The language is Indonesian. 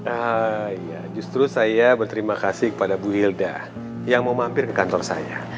ah ya justru saya berterima kasih kepada bu ilda yang mau mampir ke kantor saya